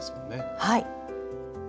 はい。